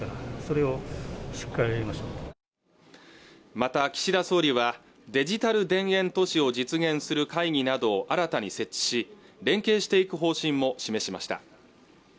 また岸田総理はデジタル田園都市を実現する会議などを新たに設置し連携していく方針も示しました